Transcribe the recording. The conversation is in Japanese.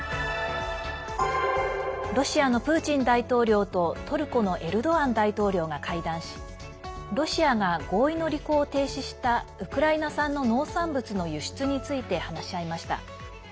ロシアのプーチン大統領とトルコのエルドアン大統領が会談しロシアが合意の履行を停止したウクライナ産の農産物の輸出について話し合いました。